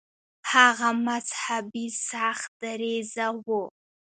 هغه مذهبي سخت دریځه و.